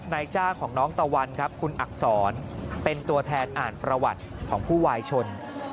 จ้าของน้องตะวันครับคุณอักษรเป็นตัวแทนอ่านประวัติของผู้วายชน